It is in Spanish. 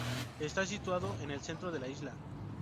Está situado en el centro de la isla.